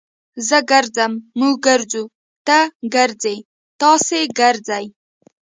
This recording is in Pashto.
زه ګرځم. موږ ګرځو. تۀ ګرځې. تاسي ګرځئ.